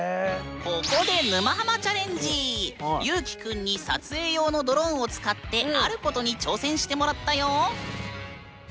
ここでゆうきくんに撮影用のドローンを使ってあることに挑戦してもらったよ！